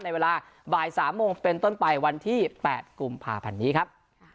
ในเวลาบ่าย๓โมงเป็นต้นไปวันที่๘กุมภาพันธ์นี้ครับ